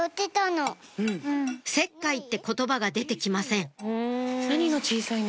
「石灰」って言葉が出てきません